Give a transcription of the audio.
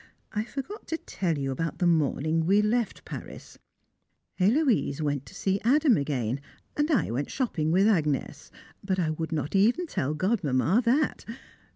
I forgot to tell you about the morning we left Paris; Héloise went to see Adam again, and I went shopping with Agnès, but I would not even tell Godmamma that!